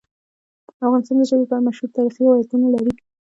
افغانستان د ژبې په اړه مشهور تاریخی روایتونه لري.